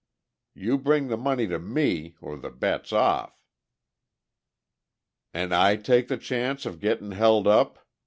You bring the money to me or the bet's off." "An' I take the chances of gettin' held up!"